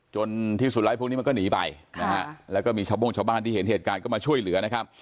ที่สุดแล้วพวกนี้มันก็หนีไปนะฮะแล้วก็มีชาวโบ้งชาวบ้านที่เห็นเหตุการณ์ก็มาช่วยเหลือนะครับ